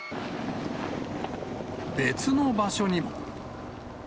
別の場所にも。